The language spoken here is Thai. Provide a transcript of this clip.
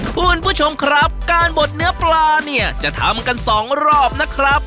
คุณผู้ชมครับการบดเนื้อปลาเนี่ยจะทำกันสองรอบนะครับ